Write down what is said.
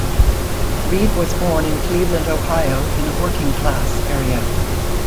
Reid was born in Cleveland, Ohio in a working-class area.